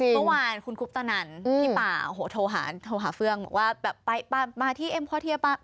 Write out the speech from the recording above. เมื่อวานคุณคุปตะนันพี่ป่าโทรหาเฟืองบอกว่าป่ามาที่เอ็มพ่อเทียป่า